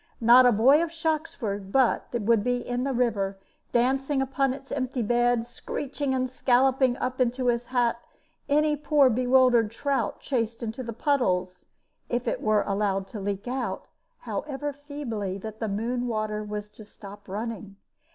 Not a boy of Shoxford but would be in the river, or dancing upon its empty bed, screeching and scolloping up into his cap any poor bewildered trout chased into the puddles, if it were allowed to leak out, however feebly, that the Moon water was to stop running.